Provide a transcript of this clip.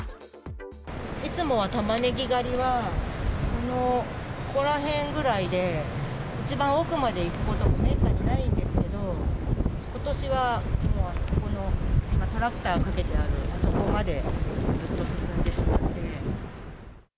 いつもはたまねぎ狩りは、このここら辺ぐらいで、一番奥まで行くことはめったにないんですけど、ことしはもうこのトラクターをかけてある、あそこまでずっと進んでしまって。